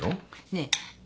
ねえ。